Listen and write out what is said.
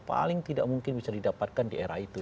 paling tidak mungkin bisa didapatkan di era itu